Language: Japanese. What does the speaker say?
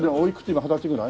今二十歳ぐらい？